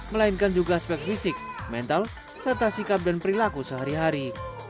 melainkan juga aspek fisik mental serta sikap dan perilaku sehari hari